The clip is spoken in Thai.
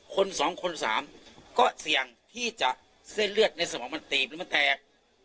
คน๒คน๓ก็เสี่ยงที่จะเส้นเลือดในสมองมันตีมมันแตก